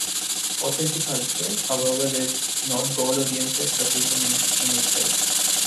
Authentic culture, however, is not goal-oriented, but is an end in itself.